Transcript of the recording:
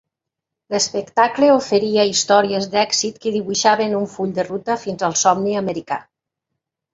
L'espectacle oferia històries d'èxit que dibuixaven un full de ruta fins al somni americà.